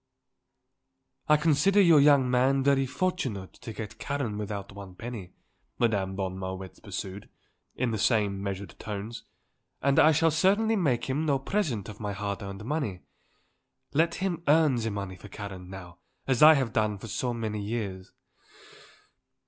"I consider your young man very fortunate to get Karen without one penny," Madame von Marwitz pursued, in the same measured tones, "and I shall certainly make him no present of my hard earned money. Let him earn the money for Karen, now, as I have done for so many years.